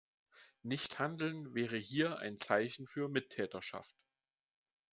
Nichthandeln wäre hier ein Zeichen für Mittäterschaft!